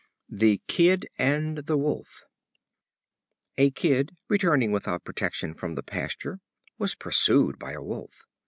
The Kid and the Wolf. A Kid, returning without protection from the pasture, was pursued by a Wolf.